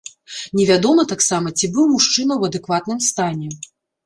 Невядома таксама, ці быў мужчына ў адэкватным стане.